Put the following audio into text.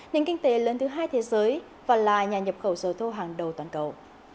nền kinh tế lớn thứ hai thế giới và là nhà nhập khẩu dầu thô hàng đầu toàn cầu